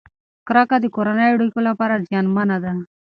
کرکه د کورنیو اړیکو لپاره زیانمنه ده.